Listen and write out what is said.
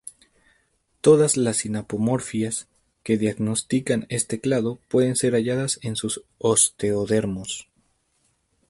Todas las sinapomorfias que diagnostican este clado pueden ser halladas en sus osteodermos.